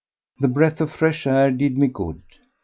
The breath of fresh air did me good.